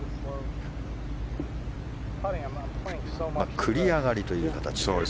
繰り上がりという形で。